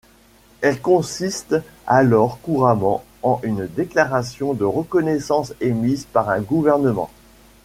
Elle consiste alors couramment en une déclaration de reconnaissance émise par un gouvernement.